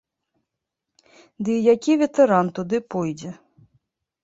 Ды і які ветэран туды пойдзе?!